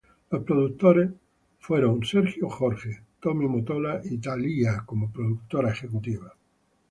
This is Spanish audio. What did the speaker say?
Los productores fueron Sergio George, Tommy Mottola y Thalía como productora ejecutiva.